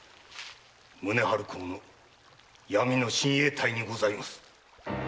宗春公の闇の親衛隊にございます。